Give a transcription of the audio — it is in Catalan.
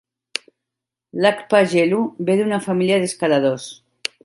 Lhakpa Gelu ve d'una família d'escaladors.